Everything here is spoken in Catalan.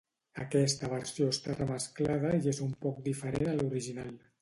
Aquesta versió està remesclada i és un poc diferent a l'original.